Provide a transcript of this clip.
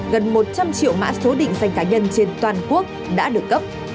gần một trăm linh triệu mã số định danh cá nhân trên toàn quốc đã được cấp